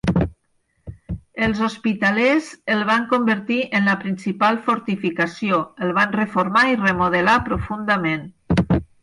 Els hospitalers el van convertir en la principal fortificació, el van reformar i remodelar profundament.